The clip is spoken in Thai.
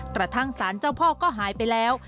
กระทั่งสารเจ้าพ่อก็หายไปแล้ว